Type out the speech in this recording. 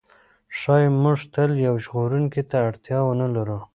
ښایي موږ تل یو ژغورونکي ته اړتیا ونه لرو.